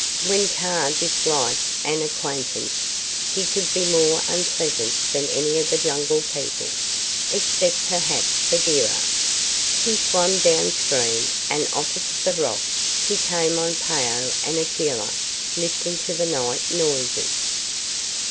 When Kaa disliked an acquaintance he could be more unpleasant than any of the Jungle People, except perhaps Bagheera. He swam down stream, and opposite the Rock he came on Phao and Akela listening to the night noises.